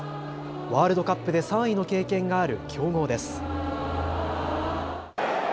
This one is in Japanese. ワールドカップで３位の経験がある強豪です。